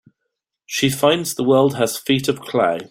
She finds the world has feet of clay.